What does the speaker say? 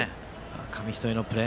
紙一重のプレー。